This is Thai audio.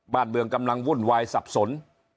บ้านเมืองกำลังวุ่นวายสับสน